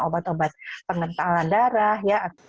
obat obat pengentalan darah